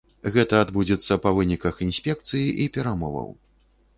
Гэта адбудзецца па выніках інспекцыі і перамоваў.